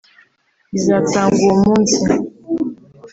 izatangwa uwo munsi